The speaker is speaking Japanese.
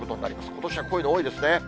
ことしはこういうの多いですね。